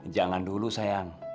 jangan dulu sayang